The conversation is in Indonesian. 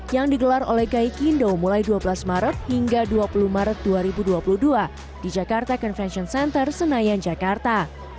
yang digelar oleh gaikindo mulai dua belas maret hingga dua puluh maret dua ribu dua puluh dua di jakarta convention center senayan jakarta